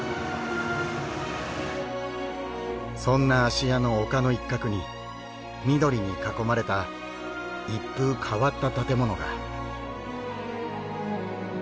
そんな芦屋の丘の一角に緑に囲まれた一風変わった建物が。